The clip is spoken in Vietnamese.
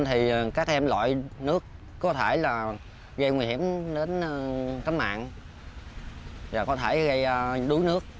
thì các em loại nước có thể gây nguy hiểm đến cánh mạng có thể gây đuối nước